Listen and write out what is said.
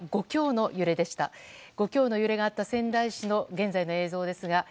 ５強の揺れがあった仙台市の映像です。